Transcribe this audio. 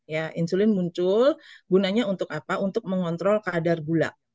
ya insulin muncul gunanya untuk apa untuk mengontrol kadar gula